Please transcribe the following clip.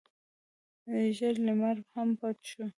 ژړ لمر هم پټ شو.